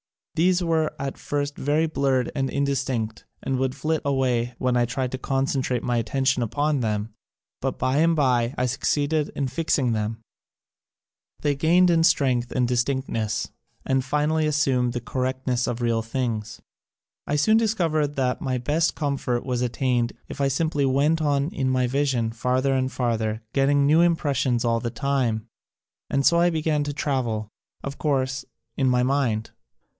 1 hese were at first very blurred and indistinct, and would flit away when 1 tried to concentrate my attention upon them, but by and by I succeeded in fixing them; they gained in strength and distinctness and finally assumed the concreteness of real things. I soon discovered that my best com fort was attained if I simply went on in my vision farther and farther, getting new impressions all the time, and so I began to travel — of course, in my mind.